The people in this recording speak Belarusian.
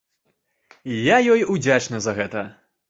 Я ёй удзячны за гэта.